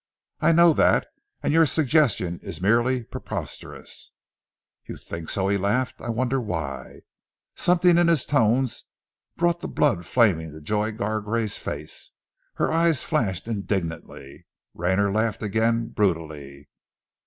I know that, and your suggestion is merely preposterous." "You think so," he laughed. "I wonder why?" Something in his tones brought the blood flaming to Joy Gargrave's face. Her eyes flashed indignantly. Rayner laughed again brutally.